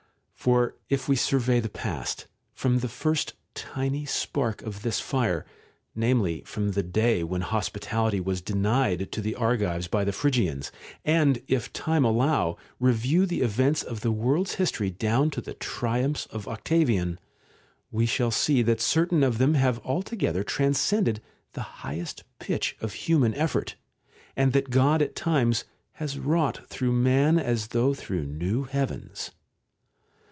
For if we survey the past, from the first tiny spark of this fire, namely from the day when hospi tality was denied to the Argives by the Phrygians, and, if time allow, review the events of the world's history down to the triumphs of Octavian, we shall see that certain of them have altogether transcended the highest pitch of human effort, and that God at times has wrought through man as though through new heavens.